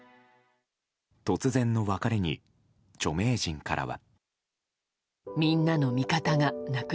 突然の別れに著名人からは。